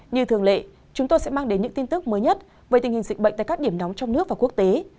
như thường lệ chúng tôi sẽ mang đến những tin tức mới nhất về tình hình dịch bệnh tại các điểm nóng trong nước và quốc tế